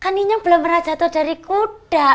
kan ini belum pernah jatuh dari kuda